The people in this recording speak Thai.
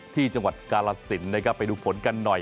ที่จังหวัดกาลสินนะครับไปดูผลกันหน่อย